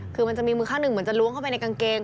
คือมันจะมีมือข้างหนึ่งเหมือนจะล้วงเข้าไปในกางเกง